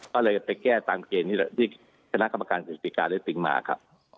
ก็เลยไปแก้ตามเกณฑ์ที่คณะกรมการศีลปิการได้ติดมา